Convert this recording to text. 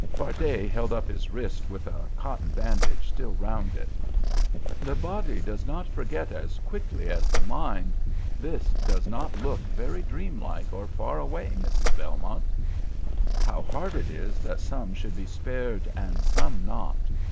Fardet held up his wrist with a cotton bandage still round it. "The body does not forget as quickly as the mind. This does not look very dreamlike or far away, Mrs. Belmont." "How hard it is that some should be spared, and some not!